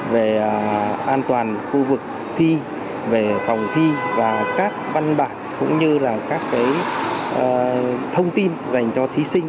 về an toàn khu vực thi về phòng thi và các văn bản cũng như là các thông tin dành cho thí sinh